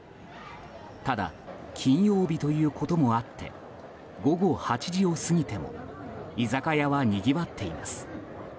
ただ、金曜日ということもあって午後８時を過ぎても居酒屋はにぎわっています。